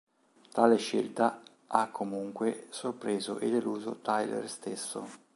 Tale scelta ha comunque sorpreso e deluso Tyler stesso.